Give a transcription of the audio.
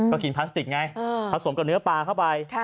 ก็กินพลาสติกไงผสมกับเนื้อปลาเข้าไป